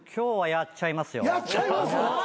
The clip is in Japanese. やっちゃいます？